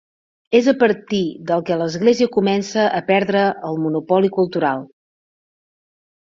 És a partir del que l'Església comença a perdre el monopoli cultural.